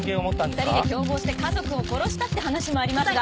２人で共謀して家族を殺したって話もありますが。